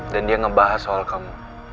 dan dia ngebahas soal kamu